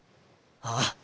ああ。